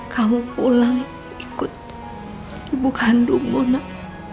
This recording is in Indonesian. kamu pulang ikut ibu kandungmu nak